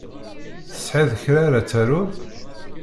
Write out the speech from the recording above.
Tesɛiḍ kra ara taruḍ?